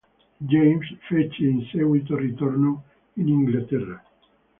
James fece in seguito ritorno in Inghilterra.